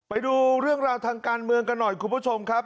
ไปดูเรื่องราวทางการเมืองกันหน่อยคุณผู้ชมครับ